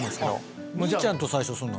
兄ちゃんと最初住んだ？